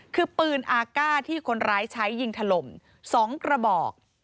คือปืนอาก้าที่คนร้ายใช้ยิงถล่ม๒กระบอก